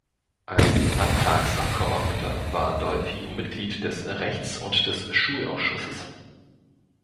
Als Landtagsabgeordneter war Adolphi Mitglied des Rechts- und des Schulausschusses.